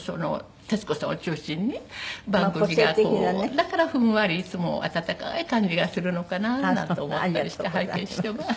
だからふんわりいつも温かい感じがするのかななんて思ったりして拝見してます。